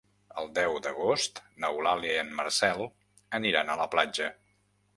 El deu d'agost n'Eulàlia i en Marcel aniran a la platja.